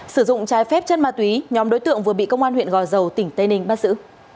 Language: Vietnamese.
sử dụng trái phép chân ma túy nhóm đối tượng vừa bị công an huyện gò dầu tỉnh tây ninh bắt giữ